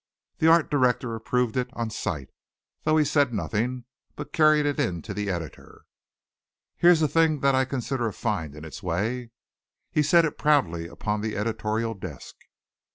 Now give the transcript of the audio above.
The Art Director approved it on sight, though he said nothing, but carried it in to the Editor. "Here's a thing that I consider a find in its way." He set it proudly upon the editorial desk.